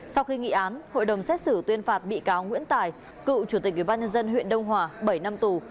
sau khi nghị án hội đồng xét xử tuyên phạt bị cáo nguyễn tài cựu chủ tịch ubnd huyện đông hòa bảy năm tù